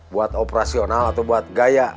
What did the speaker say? buat operasional atau buat gaya